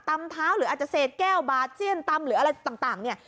เท้าหรืออาจจะเศษแก้วบาดเจี้ยนตำหรืออะไรต่างเนี่ย